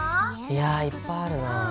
いやいっぱいあるなぁ。